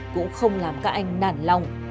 cũng không làm các anh nản lòng